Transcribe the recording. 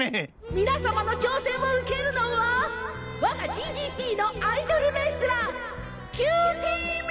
皆さまの挑戦を受け我がＧＧＰのアイドルレスラーキューティーミミ！